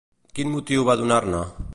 Quin motiu va donar-ne?